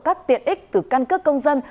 các tiện ích từ căn cước công dân